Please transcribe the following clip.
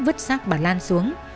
vứt sát bà lan xuống